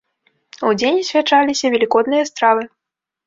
Удзень асвячаліся велікодныя стравы.